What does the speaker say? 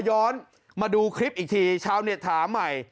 ย้อนมาดูคลิปอีกทีชาวเน็ตถามใหม่